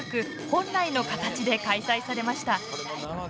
本来の形で開催されました。